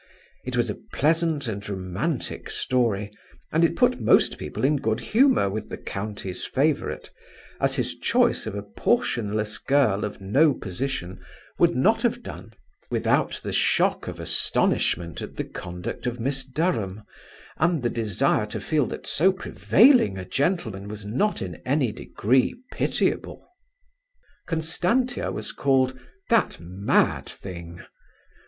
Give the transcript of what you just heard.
It was a pleasant and romantic story, and it put most people in good humour with the county's favourite, as his choice of a portionless girl of no position would not have done without the shock of astonishment at the conduct of Miss Durham, and the desire to feel that so prevailing a gentleman was not in any degree pitiable. Constantia was called "that mad thing".